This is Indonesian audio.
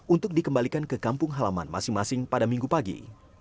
untuk dikembalikan ke kampung halaman masing masing pada minggu pagi